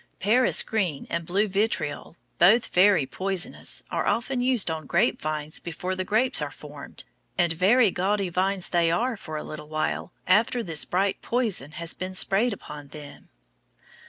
Paris green and blue vitriol, both very poisonous, are often used on grape vines before the grapes are formed, and very gaudy vines they are for a little while after this bright poison has been sprayed upon them.